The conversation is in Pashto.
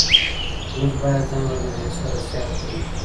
موږ باید ځان له نړۍ سره سیال کړو.